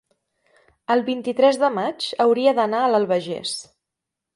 el vint-i-tres de maig hauria d'anar a l'Albagés.